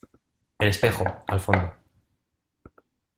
el espejo, al fondo.